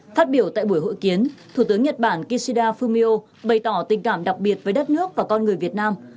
phát biểu tại buổi hội kiến thủ tướng nhật bản kishida fumio bày tỏ tình cảm đặc biệt với đất nước và con người việt nam